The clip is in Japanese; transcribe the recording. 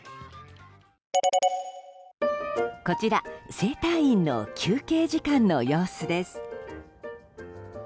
こちら整体院の休憩時間の様子です。